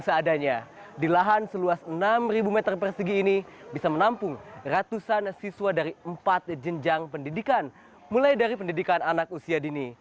satusan siswa dari empat jenjang pendidikan mulai dari pendidikan anak usia dini